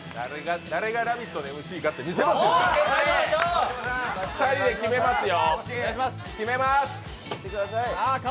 誰が「ラヴィット！」のＭＣか見せてやりますよ。